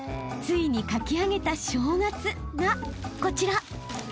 ［ついに書き上げた「正月」がこちら］